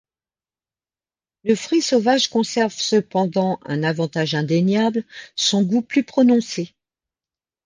Le fruit sauvage conserve cependant un avantage indéniable: son goût plus prononcé.